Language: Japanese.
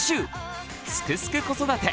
「すくすく子育て」